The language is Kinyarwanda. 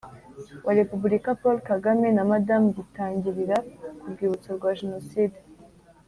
Wa repubulika paul kagame na madamu gitangirira ku rwibutso rwa jenoside